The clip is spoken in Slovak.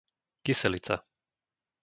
Kyselica